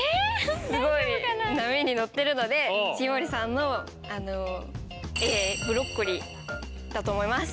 すごい波に乗ってるので重盛さんのＡブロッコリーだと思います。